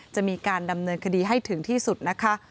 จะมีการดำเนินคดีให้ถึงที่สุดนะคะ